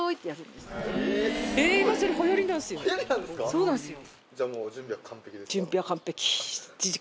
そうなんですよ。